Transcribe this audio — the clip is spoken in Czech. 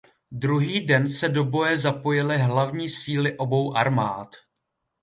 Druhý den se do boje zapojily hlavní síly obou armád.